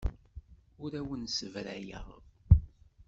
Ur awen-ssebrayeɣ.